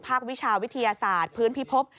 วิชาวิทยาศาสตร์พื้นพิภพ